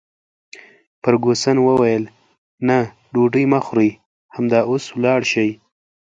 فرګوسن وویل: نه، ډوډۍ مه خورئ، همدا اوس ولاړ شئ.